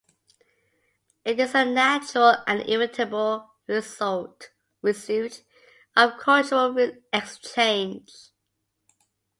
It is a natural and inevitable resuit of cultural exchange.